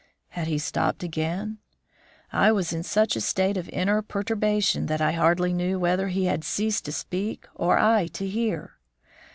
Had he stopped again? I was in such a state of inner perturbation that I hardly knew whether he had ceased to speak or I to hear.